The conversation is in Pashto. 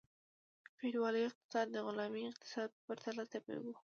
فیوډالي اقتصاد د غلامي اقتصاد په پرتله طبیعي و.